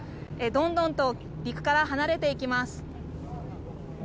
どんどんと陸から離れていきます。